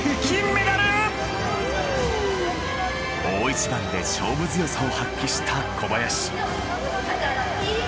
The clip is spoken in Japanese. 大一番で勝負強さを発揮した小林。